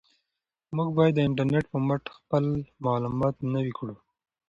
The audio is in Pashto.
موږ باید د انټرنیټ په مټ خپل معلومات نوي کړو.